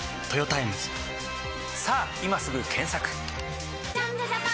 さぁ今すぐ検索！